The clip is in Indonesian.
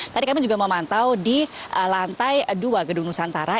tadi kami juga memantau di lantai dua gedung nusantara